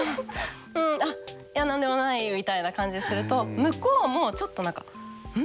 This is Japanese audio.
うんいや何でもないよ」みたいな感じにすると向こうもちょっと何か「ん？